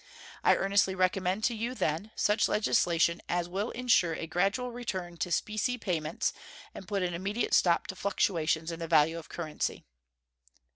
I earnestly recommend to you, then, such legislation as will insure a gradual return to specie payments and put an immediate stop to fluctuations in the value of currency.